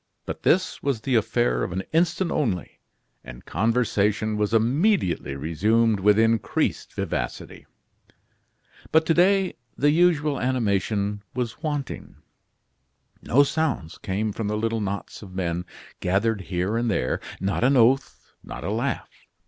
But this was the affair of an instant only, and conversation was immediately resumed with increased vivacity. But to day the usual animation was wanting. No sounds came from the little knots of men gathered here and there, not an oath, not a laugh.